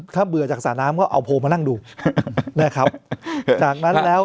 ถ้าเบื่อจากสระน้ำก็เอาโพลมานั่งดูนะครับจากนั้นแล้ว